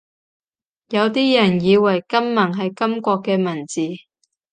有啲人以為金文係金國嘅文字